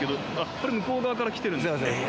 これ向こうから来てるんですね。